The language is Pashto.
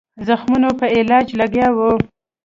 زخمونو په علاج لګیا وو.